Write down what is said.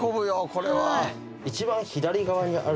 これは。